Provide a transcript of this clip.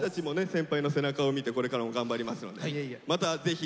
先輩の背中を見てこれからも頑張りますのでまたぜひ遊びに来て下さい。